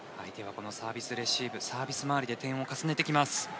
相手はサービスレシーブサービス周りで点を重ねてきます。